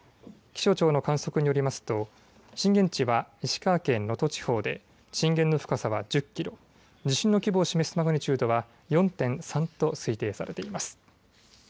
気象庁の観測によりますと震源地は石川県能登地方で震源の深さは１０キロ、地震の規模を示すマグニチュードは４．３と推定されています。